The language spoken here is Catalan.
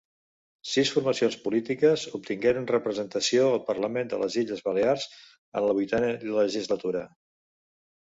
Sis formacions polítiques obtingueren representació al Parlament de les Illes Balears en la Vuitena Legislatura.